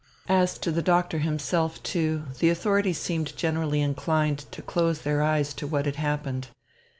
As to the Doctor himself, too, the authorities seemed generally inclined to close their eyes to what had happened.